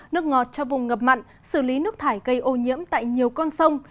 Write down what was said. nước ngọt cho vùng ngập mặn xử lý nước thải gây ô nhiễm tại nhiều con sông